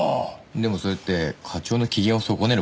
でもそれって課長の機嫌を損ねる事ですか？